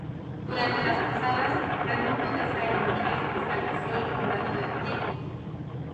Durante las cruzadas, Raimundo de Saint-Gilles estableció el condado de Trípoli.